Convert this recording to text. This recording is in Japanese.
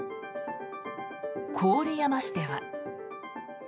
郡山市では。